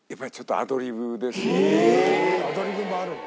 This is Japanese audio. アドリブもあるんだ。